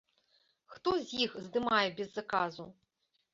Хто з іх здымае без заказу?